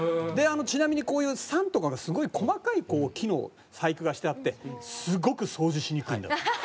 ちなみにこういう桟とかがすごい細かい木の細工がしてあってすごく掃除しにくいんだって。